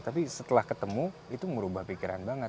tapi setelah ketemu itu merubah pikiran banget